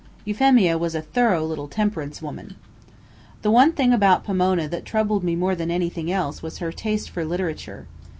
Euphemia was a thorough little temperance woman. The one thing about Pomona that troubled me more than anything else was her taste for literature.